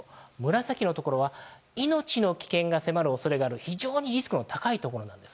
紫のところは命の危険が迫る恐れがある非常にリスクの高いところなんです。